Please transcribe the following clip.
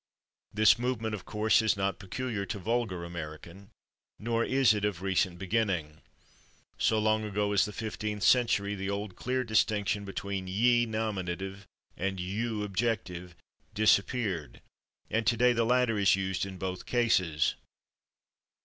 This movement, of course, is not peculiar to vulgar American; nor is it of recent beginning. So long ago as the fifteenth century the old clear distinction between /ye/, nominative, and /you/, objective, disappeared, and today the latter is used in both cases.